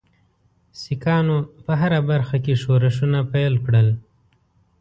سیکهانو په هره برخه کې ښورښونه پیل کړل.